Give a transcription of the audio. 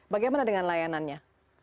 bagaimana dengan layanannya